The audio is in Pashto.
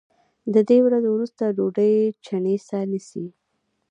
د درې ورځو وروسته ډوډۍ چڼېسه نیسي